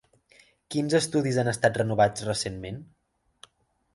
Quins estudis han estat renovats recentment?